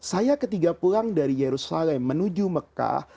saya ketika pulang dari yerusalem menuju mekah